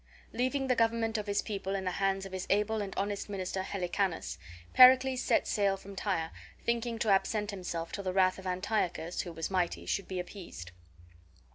Leaving the government of his people in the hands of his able and honest minister, Helicanus, Pericles set sail from Tyre, thinking to absent himself till the wrath of Antiochus, who was mighty, should be appeased.